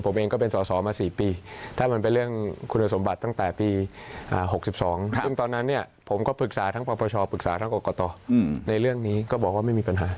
ผมเองก็เป็นสอสอมา๔ปีถ้ามันเป็นเรื่องคุณสมบัติตั้งแต่ปี๖๒ซึ่งตอนนั้นเนี่ยผมก็ปรึกษาทั้งปปชปรึกษาทั้งกรกตในเรื่องนี้ก็บอกว่าไม่มีปัญหา